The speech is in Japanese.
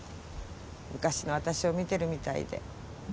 昔の私を見てるみたいで。